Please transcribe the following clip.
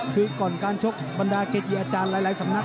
คือก่อนการชกบรรดาเกจีอาจารย์หลายสำนัก